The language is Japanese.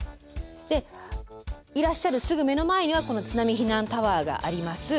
えっ！？でいらっしゃるすぐ目の前にはこの津波避難タワーがあります。